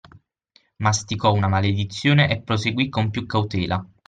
Masticò una maledizione e proseguì con più cautela.